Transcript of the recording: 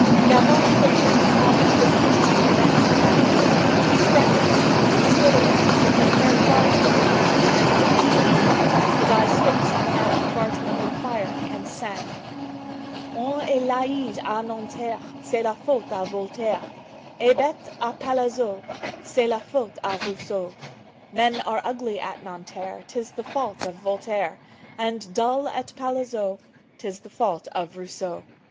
Gavroche looked and saw that this came from the men of the banlieue. He sprang to his feet, stood erect, with his hair flying in the wind, his hands on his hips, his eyes fixed on the National Guardsmen who were firing, and sang: "On est laid à Nanterre, C'est la faute à Voltaire; Et bête à Palaiseau, C'est la faute à Rousseau." "Men are ugly at Nanterre, 'Tis the fault of Voltaire; And dull at Palaiseau, 'Tis the fault of Rousseau."